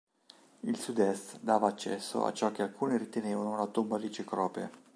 Il sud-est dava accesso a ciò che alcuni ritenevano la tomba di Cecrope.